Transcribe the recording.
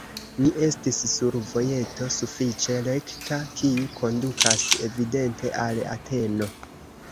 Ni estis sur vojeto sufiĉe rekta, kiu kondukas evidente al Ateno.